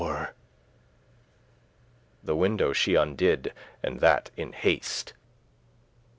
*" *favour The window she undid, and that in haste.